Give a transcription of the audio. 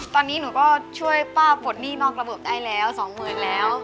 ตอนนี้หนูก็ช่วยป้าปลดหนี้นอกระบบได้แล้วสองหมื่นแล้ว